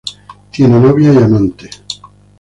Tiene novia y amante.